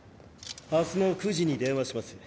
明日の９時に電話します。